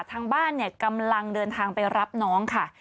ทางบ้านเนี่ยกำลังเดินทางไปรับน้องค่ะ